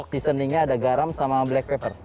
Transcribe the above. seasoning nya ada garam sama black pepper